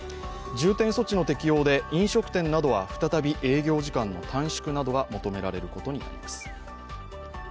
重点措置の適用で飲食店などは再び営業時間の短縮などが求められることになります。